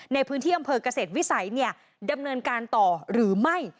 ในพื้นที่อำเภอกเกษตรวิสัยดำเนินการต่อหรือไม่